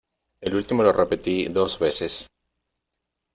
el último lo repetí dos veces: